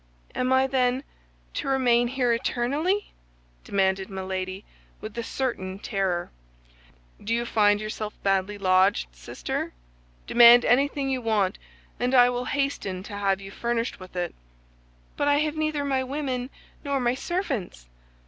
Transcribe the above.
"Am I, then, to remain here eternally?" demanded Milady, with a certain terror. "Do you find yourself badly lodged, sister? Demand anything you want, and I will hasten to have you furnished with it." "But I have neither my women nor my servants."